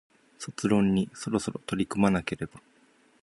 卒論にそろそろ取り組まなければ